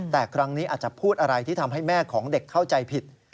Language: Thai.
แต่ครั้งนี้อาจจะพูดอะไรที่ทำให้แม่ของเด็กเข้าใจผิด